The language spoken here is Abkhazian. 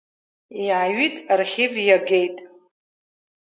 Иааҩит архив иагеит!